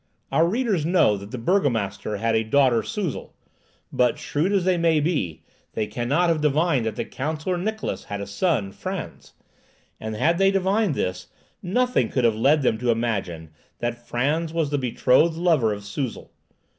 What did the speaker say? Our readers know that the burgomaster had a daughter, Suzel But, shrewd as they may be, they cannot have divined that the counsellor Niklausse had a son, Frantz; and had they divined this, nothing could have led them to imagine that Frantz was the betrothed lover of Suzel.